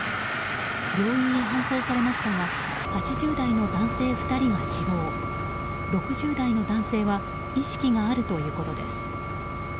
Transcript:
病院へ搬送されましたが８０代の男性２人が死亡６０代の男性は意識があるということです。